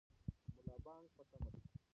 ملا بانګ په تمه دی.